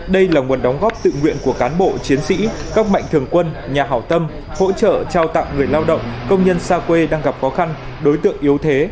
đây là nguồn đóng góp tự nguyện của cán bộ chiến sĩ các mạnh thường quân nhà hảo tâm hỗ trợ trao tặng người lao động công nhân xa quê đang gặp khó khăn đối tượng yếu thế